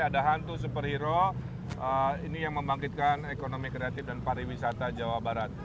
ada hantu superhero ini yang membangkitkan ekonomi kreatif dan pariwisata jawa barat